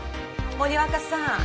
森若さん